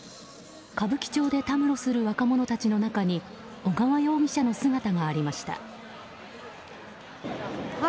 歌舞伎町でたむろする若者たちの中に小川容疑者の姿がありました。